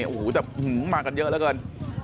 อูหูแต่หื้มมากันเยอะแล้วเกิน